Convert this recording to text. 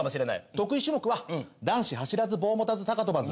得意種目は男子走らず棒持たず高跳ばず。